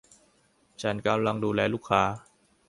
ฉันกำลังดูแลลูกค้า